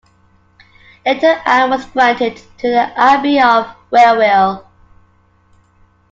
Little Ann was granted to the Abbey of Wherwell.